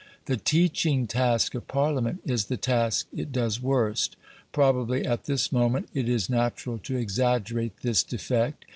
The teaching task of Parliament is the task it does worst. Probably at this moment, it is natural to exaggerate this defect.